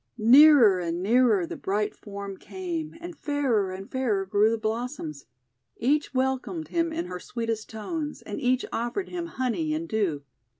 Nearer and nearer the bright form came, and fairer and fairer grew the blossoms. Each wel comed him in her sweetest tones, and each offered him honey and dew.